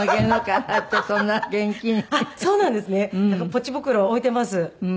ポチ袋置いてます。